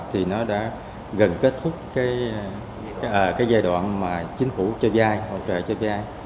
thì nó đã gần kết thúc cái giai đoạn mà chính phủ cho dai hỗ trợ cho dai